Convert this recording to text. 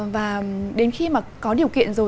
và đến khi mà có điều kiện rồi